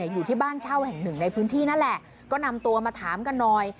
อยู่ที่บ้านเช่าแห่งหนึ่งในพื้นที่นั่นแหละก็นำตัวมาถามกันหน่อย